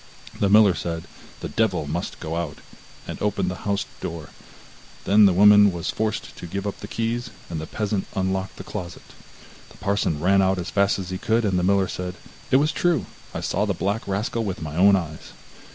The miller said: 'The Devil must go out,' and opened the house door; then the woman was forced to give up the keys, and the peasant unlocked the closet. The parson ran out as fast as he could, and the miller said: 'It was true; I saw the black rascal with my own eyes.